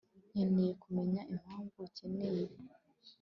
nkeneye kumenya impamvu ukeneye ibi